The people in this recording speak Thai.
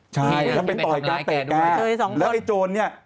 ใช่ทำเป็นต่อยกล้าเป็กแก้แล้วไอ้โจรนี่